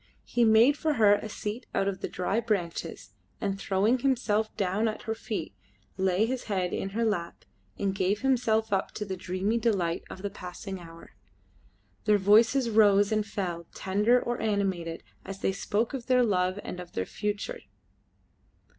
He made for her a seat out of the dry branches, and, throwing himself down at her feet, lay his head in her lap and gave himself up to the dreamy delight of the passing hour. Their voices rose and fell, tender or animated as they spoke of their love and of their future.